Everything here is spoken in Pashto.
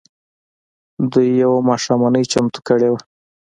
دوی يوه ماښامنۍ چمتو کړې وه.